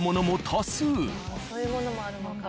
ああそういうものもあるのか。